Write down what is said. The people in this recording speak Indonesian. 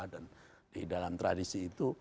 dan di dalam tradisi itu